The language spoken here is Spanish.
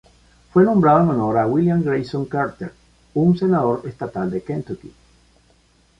Fue nombrado en honor a William Grayson Carter, un senador estatal de Kentucky.